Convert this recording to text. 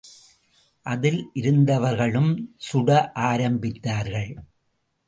அதிலிருந்தவர்களும் சுட ஆரம்பித்தார்கள்.